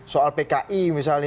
soal pki misalnya